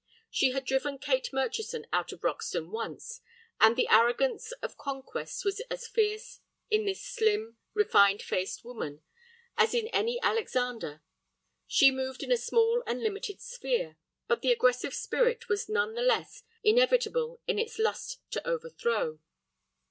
She had driven Kate Murchison out of Roxton once, and the arrogance of conquest was as fierce in this slim, refined faced woman as in any Alexander. She moved in a small and limited sphere, but the aggressive spirit was none the less inevitable in its lust to overthrow.